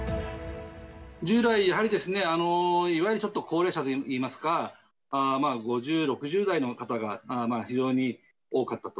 従来、やはり、いわゆるちょっと高齢者といいますか、５０、６０代の方が非常に多かったと。